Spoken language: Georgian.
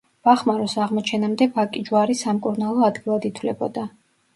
ბახმაროს აღმოჩენამდე ვაკიჯვარი სამკურნალო ადგილად ითვლებოდა.